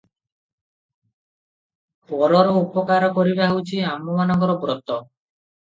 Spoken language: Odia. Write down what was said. ପରର ଉପକାର କରିବା ହେଉଛି ଆମମାନଙ୍କର ବ୍ରତ ।